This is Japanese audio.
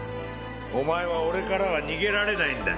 お前は俺からは逃げられないんだ。